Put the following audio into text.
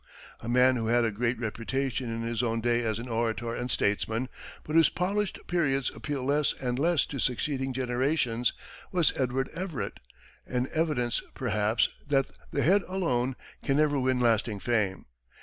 A man who had a great reputation in his own day as an orator and statesman, but whose polished periods appeal less and less to succeeding generations was Edward Everett an evidence, perhaps, that the head alone can never win lasting fame.